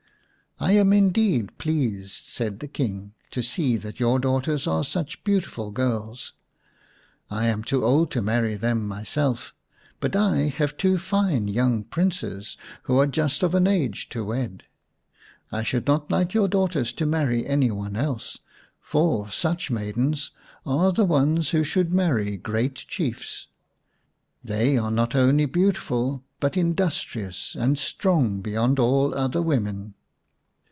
" I am indeed pleased," said the King, " to see that your daughters are such beautiful girls. I am too old to marry them myself, but I have two fine young Princes who are just of an age to wed. I should not like your daughters to marry any one else, for such maidens are the ones who should marry great Chiefs. They are not only beautiful, but industrious and strong beyond all other women."